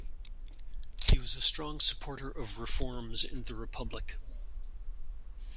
He was a strong supporter of reforms in the Republic.